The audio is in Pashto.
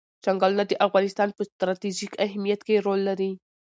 چنګلونه د افغانستان په ستراتیژیک اهمیت کې رول لري.